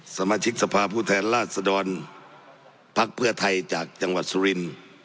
สมาชิกสภาพผู้แทนราชดรพักเพื่อไทยจากจังหวัดสุรินทร์